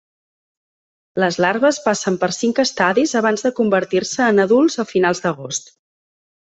Les larves passen per cinc estadis abans de convertir-se en adults a finals d’agost.